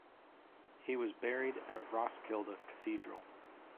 He was buried at Roskilde Cathedral.